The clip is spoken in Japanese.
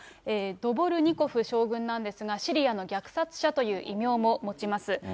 ドボルニコフ将軍なんですが、シリアの虐殺者という異名を持ちます。